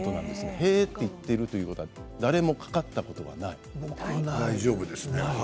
へえと言っているということは誰もかかったことがないんですね。